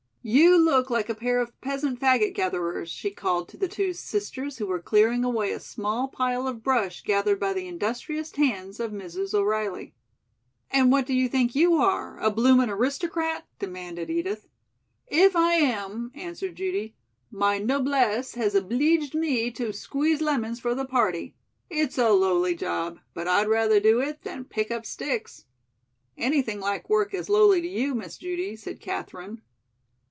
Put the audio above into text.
You look like a pair of peasant fagot gatherers," she called to the two sisters who were clearing away a small pile of brush gathered by the industrious hands of Mrs. O'Reilly. "And what do you think you are? A bloomin' aristocrat?" demanded Edith. "If I am," answered Judy, "my noblesse has obleeged me to squeeze lemons for the party. It's a lowly job, but I'd rather do it than pick up sticks." "Anything like work is lowly to you, Miss Judy," said Katherine.